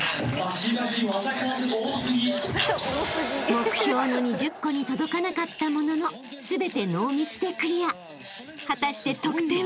［目標の２０個に届かなかったものの全てノーミスでクリア］